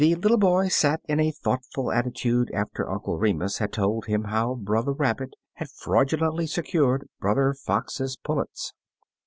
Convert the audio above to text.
little boy sat in a thoughtful attitude after Uncle Remus had told him how Brother Rabbit had fraudulently secured Brother Fox's pullets.